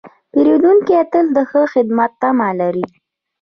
پیرودونکی تل د ښه خدمت تمه لري.